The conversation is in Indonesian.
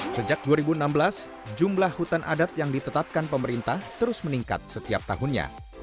sejak dua ribu enam belas jumlah hutan adat yang ditetapkan pemerintah terus meningkat setiap tahunnya